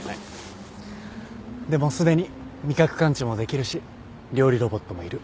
でもすでに味覚感知もできるし料理ロボットもいる。